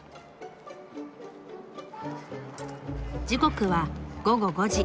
時刻は午後５時。